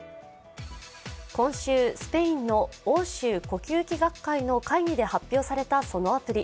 今週、スペインの欧州呼吸器学会の会議で発表されたそのアプリ。